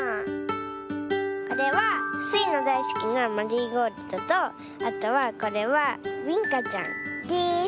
これはスイのだいすきなマリーゴールドとあとはこれはビンカちゃんです。